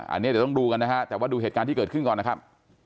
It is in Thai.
อันนี้เดี๋ยวต้องดูกันนะฮะแต่ว่าดูเหตุการณ์ที่เกิดขึ้นก่อนนะครับ